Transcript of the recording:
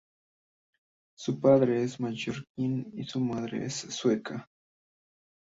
Su padre es mallorquín y su madre es sueca.